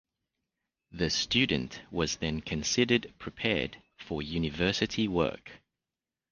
The student was then considered prepared for university work.